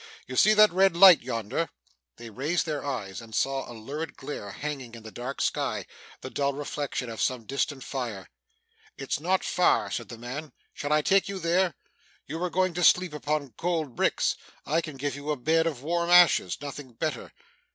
You see that red light yonder?' They raised their eyes, and saw a lurid glare hanging in the dark sky; the dull reflection of some distant fire. 'It's not far,' said the man. 'Shall I take you there? You were going to sleep upon cold bricks; I can give you a bed of warm ashes nothing better.